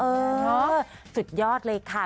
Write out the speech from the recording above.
สุดยอดเลยค่ะ